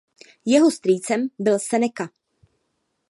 Jeho strýcem byl Seneca.